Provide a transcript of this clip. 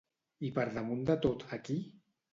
I per damunt de tot a qui?